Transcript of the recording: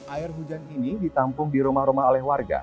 air hujan ini ditampung di rumah rumah oleh warga